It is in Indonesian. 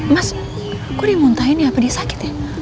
mas kok dimuntahin ya pedih sakit ya